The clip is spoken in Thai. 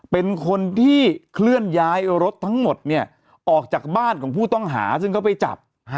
เป็นคนที่เคลื่อนย้ายรถทั้งหมดเนี่ยออกจากบ้านของผู้ต้องหาซึ่งเขาไปจับ